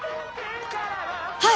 はい！